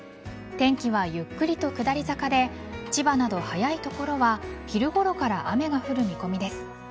天気はゆっくりと下り坂で千葉など早い所は昼頃から雨が降る見込みです。